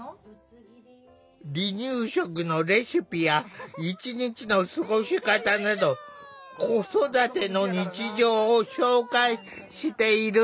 離乳食のレシピや一日の過ごし方など子育ての日常を紹介している。